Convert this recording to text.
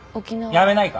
やめないか！